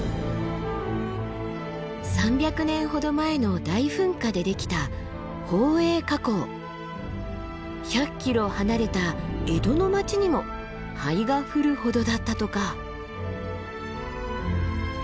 ３００年ほど前の大噴火でできた１００ｋｍ離れた江戸の町にも灰が降るほどだったとか。